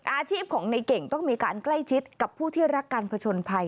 อาชีพของในเก่งต้องมีการใกล้ชิดกับผู้ที่รักการผชนภัย